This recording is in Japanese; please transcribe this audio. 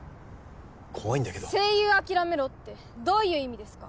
怖いんだけど声優諦めろってどういう意味ですか？